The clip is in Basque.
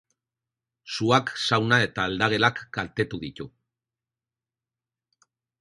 Suak sauna eta aldagelak kaltetu ditu.